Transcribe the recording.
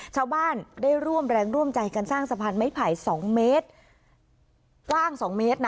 ชาวบ้านได้ร่วมแรงร่วมใจกันสร้างสะพานไม้ไผ่๒เมตรกว้าง๒เมตรนะ